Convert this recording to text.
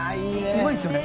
うまいですよね。